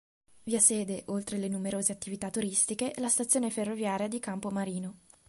Vi ha sede, oltre le numerose attività turistiche, la stazione ferroviaria di Campomarino.